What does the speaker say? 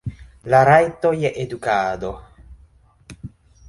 La rajto je edukado.